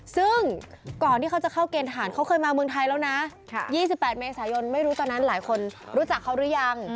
ซึ่งก่อนที่เขาจะเข้าเกณฑหารเขาเคยมาเมืองไทยแล้วนะ๒๘เมษายนไม่รู้ตอนนั้นหลายคนรู้จักเขาหรือยัง